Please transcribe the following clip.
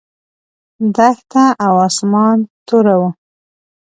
دښته او اسمان توره وه.